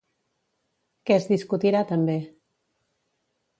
Què es discutirà també?